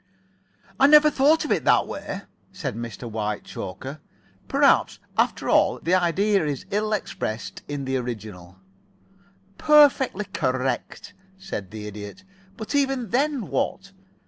"I never thought of it in that way," said Mr. Whitechoker. "Perhaps, after all, the idea is ill expressed in the original." "Perfectly correct," said the Idiot. "But even then, what?